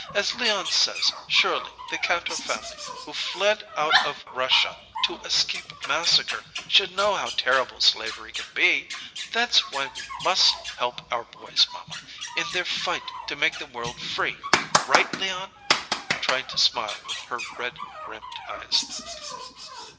As Leon says, surely the Kantor family, who fled out of Russia to escape massacre, should know how terrible slavery can be. That's why we must help our boys, mamma, in their fight to make the world free! Right, Leon?" trying to smile with her red rimmed eyes.